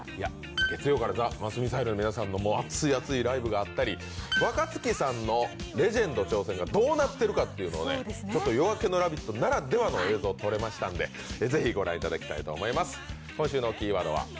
月曜からザ・マスミサイルさんの熱い熱いライブがあったり、若槻さんのレジェンド挑戦がどうなっているかというのを「夜明けのラヴィット！」ならではの映像がとれましたのでご覧いただきたいと思います。